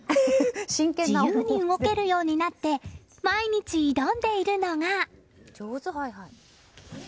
自由に動けるようになって毎日挑んでいるのが。